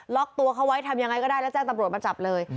ตัวเขาไว้ทำยังไงก็ได้แล้วแจ้งตำรวจมาจับเลย